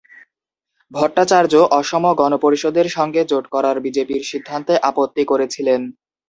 ভট্টাচার্য অসম গণ পরিষদের সঙ্গে জোট করার বিজেপির সিদ্ধান্তে আপত্তি করেছিলেন।